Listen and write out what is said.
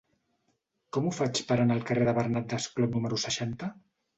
Com ho faig per anar al carrer de Bernat Desclot número seixanta?